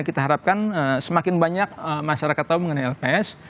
kita harapkan semakin banyak masyarakat tahu mengenai lps